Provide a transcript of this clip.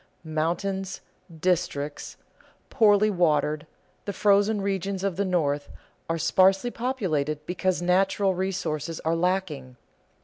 Mountains, districts poorly watered, the frozen regions of the North, are sparsely populated because natural resources are lacking.